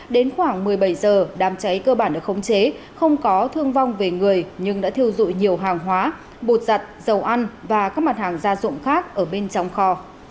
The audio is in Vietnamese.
đến khoảng một mươi bảy giờ đám cháy cơ bản được khống chế không có thương vong về người nhưng đã thiêu dụi nhiều hàng hóa bột giặt dầu ăn và các mặt hàng gia dụng khác ở bên trong kho